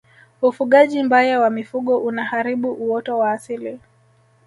ufugaji mbaya wa mifugo unaharibu uoto wa asili